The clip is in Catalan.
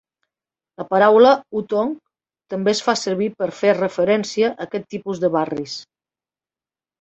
La paraula "hutong" també es fa servir per fer referència a aquest tipus de barris.